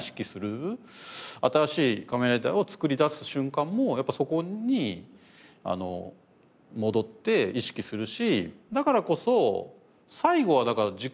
新しい『仮面ライダー』をつくり出す瞬間もやっぱそこに戻って意識するしだからこそ。